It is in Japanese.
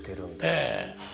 ええ。